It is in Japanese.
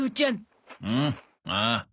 うん？ああ。